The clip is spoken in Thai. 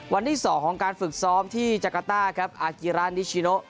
วันที่๒ของการฝึกซ้อมที่จักรต้าครับอากิระนิชิโน